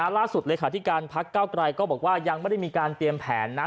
เลขาธิการพักเก้าไกรก็บอกว่ายังไม่ได้มีการเตรียมแผนนะ